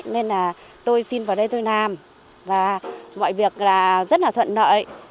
nên là tôi xin vào đây tôi làm và mọi việc là rất là thuận nợ